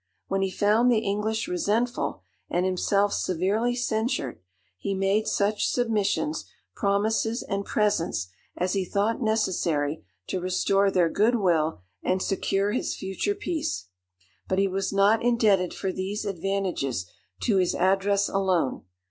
When he found the English resentful, and himself severely censured, he made such submissions, promises, and presents as he thought necessary to restore their good will, and secure his future peace. But he was not indebted for these advantages to his address alone.